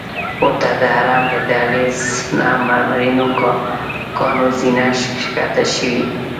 ورته د حرم له دهلیز نه مرمرینو کاڼو زینه ښکته شوې.